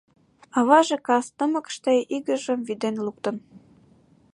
Аваже кас тымыкыште игыжым вӱден луктын.